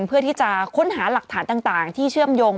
เพื่อที่จะค้นหาหลักฐานต่างที่เชื่อมโยง